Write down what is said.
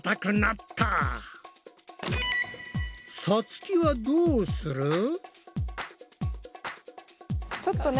さつきはどうする？